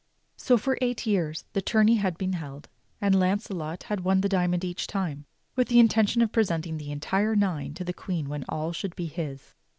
So for eight years the tourney had been held; and Launcelot liad won the diamond each time, with the intention of presenting the entire nine to the Queen when all should be his.